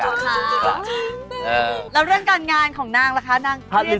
แล้วเรื่องการงานของนางล่ะคะนางเครียดอยู่